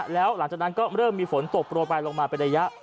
แล้วหลังจากนั้นก็เริ่มมีฝนตกโปรยไปลงมาเป็นระยะ